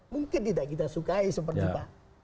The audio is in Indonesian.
mungkin tidak kita sukai seperti pak